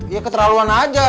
ya keterlaluan aja